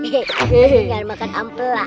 eh jangan makan ampela